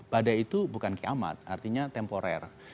badai itu bukan kiamat artinya temporer